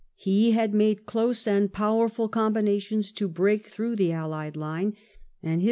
He had made close and powerful combinations to break through the Allied line, and his i88 WELLINGTON chap.